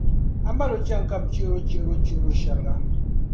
a mali o chani ka bɛ chibiri’ o chihiro-chihiro shɛriga.